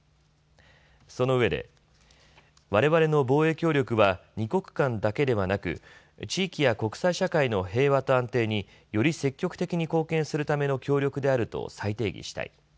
そのうえでわれわれの防衛協力は２国間だけではなく地域や国際社会の平和と安定により積極的に貢献するための協力であると再定義したい。